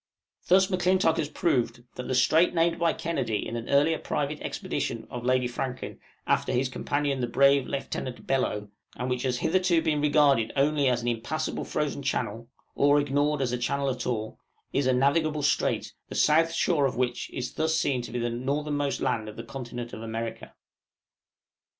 Thus, M'Clintock has proved, that the strait named by Kennedy in an earlier private expedition of Lady Franklin after his companion the brave Lieutenant Bellot, and which has hitherto been regarded only as an impassable frozen channel, or ignored as a channel at all, is a navigable strait, the south shore of which is thus seen to be the northernmost land of the continent of America.